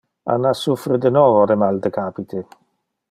Anna suffre de novo de mal de capite.